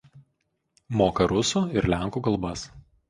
Moka rusų ir lenkų kalbas.